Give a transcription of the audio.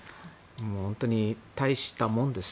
本当に大したもんです。